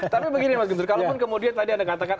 tapi begini mas guntur kalaupun kemudian tadi anda katakan